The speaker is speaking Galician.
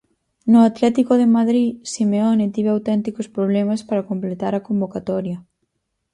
No Atlético de Madrid, Simeone tivo auténticos problemas para completar a convocatoria.